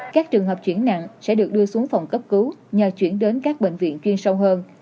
các trường hợp chuyển nặng sẽ được đưa xuống phòng cấp cứu nhờ chuyển đến các bệnh viện chuyên sâu hơn